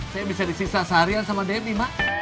saya bisa disisa seharian sama debbie mak